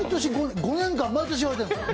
５年間、毎年言われてるの。